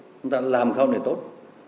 chúng ta làm không là tốt